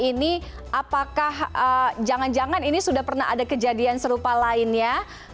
ini apakah jangan jangan ini sudah pernah ada kejadian serupa lainnya